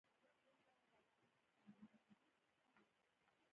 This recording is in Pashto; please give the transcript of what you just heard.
پښتو مو مورنۍ ژبه ده مونږ ذده کــــــــړې نۀ ده